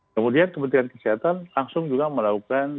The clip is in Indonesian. kemudian kementerian kesehatan langsung juga melakukan